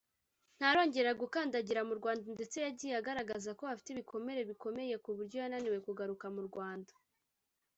ntarongera gukandagira mu Rwanda ndetse yagiye agaragaza ko afite ibikomere bikomeye kuburyo yananiwe kugaruka mu Rwanda